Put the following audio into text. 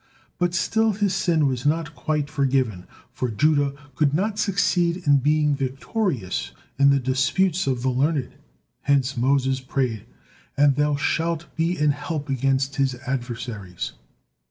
But still his sin was not quite forgiven, for Judah could not succeed in being victorious in the disputes of the learned, hence Moses prayed, "And Thou shalt be an help against his adversaries."